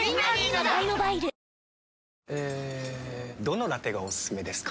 どのラテがおすすめですか？